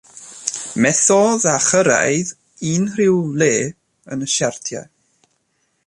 Methodd â chyrraedd unrhyw le yn y siartiau.